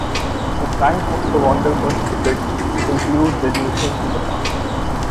The price of the water bus ticket includes admission to the park.